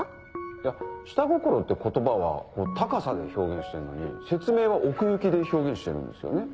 いや「下心」って言葉は高さで表現してるのに説明は奥行きで表現してるんですよね。